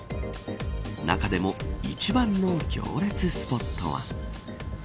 中でも、一番の行列スポットは。